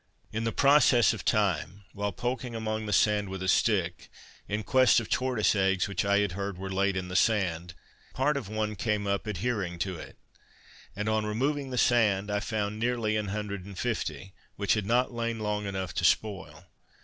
In process of time, while poking among the sand with a stick, in quest of tortoise eggs, which I had heard were laid in the sand, part of one came up adhering to it; and, on removing the sand, I found nearly an hundred and fifty, which had not lain long enough to spoil.